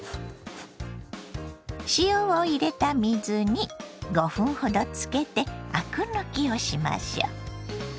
塩を入れた水に５分ほどつけてアク抜きをしましょ。